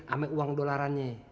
ama uang dollarannya